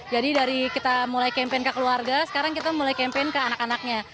jadi dari kita mulai campaign ke keluarga sekarang kita mulai campaign ke anak anaknya